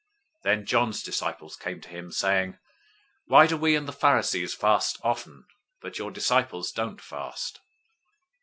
}" 009:014 Then John's disciples came to him, saying, "Why do we and the Pharisees fast often, but your disciples don't fast?"